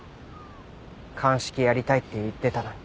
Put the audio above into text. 鑑識やりたいって言ってたのに。